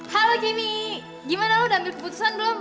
halo gini gimana lo udah ambil keputusan belum